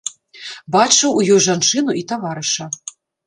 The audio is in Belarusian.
Бачыў у ёй жанчыну і таварыша.